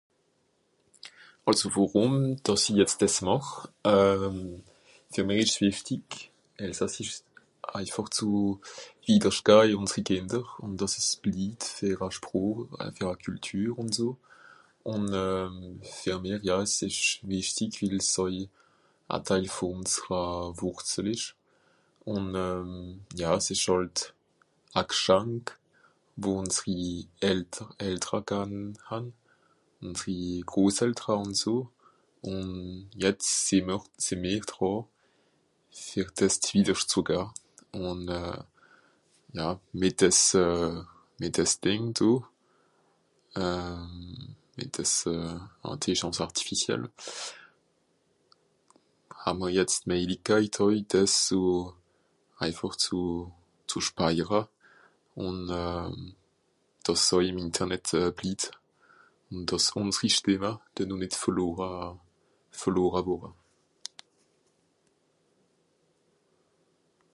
Àlso worùm, dàss i jetz dìs màch ? fer mìch ìsch wìchtig, elsassisch eifàch zù Wittersch gah ì ùnsri Kìnder, ùn dàss es bliit, fer a sproch, fer a kültür ùn so. Ùn fer mich ja es ìsch wichtig, wil's àui a teil vù ùnsra wurzel ìsch ùn ja s'ìsch hàlt a gschànk, wo ùnsri eltra gan hàn, ùnsri groseltra ùn so. Un jetz sìì mr... sìì mìr dràà, fer dìs wittersch zù gah. Un ja, mìt dìs... mìt dìs Dìng do mìt dìs intelligence artificielle, haa'mr jetz d'méjligkeit àui dìs so ... eifàch zù... zù speicha ùn dàs àui ìm Internet bliit, àn dàss ùnsri Stìmma denoh nìt verlora... verlora worre.